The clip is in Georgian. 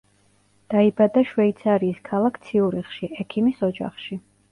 დაიბადა შვეიცარიის ქალაქ ციურიხში, ექიმის ოჯახში.